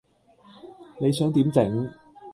你想點整?